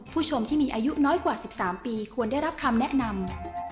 ผู้ชมที่มีอายุน้อยกว่า๑๓ปีควรได้รับคำแนะนำ